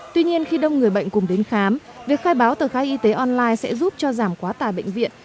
tuy nhiên khi đông người bệnh cùng đến khám việc khai báo tờ khai y tế online sẽ giúp cho giảm quá tài bệnh viện